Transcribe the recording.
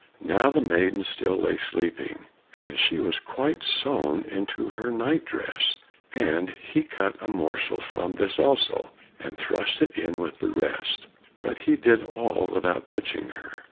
Now the maiden still lay sleeping, and she was quite sewn into her night dress, and he cut a morsel from this also, and thrust it in with the rest, but he did all without touching her.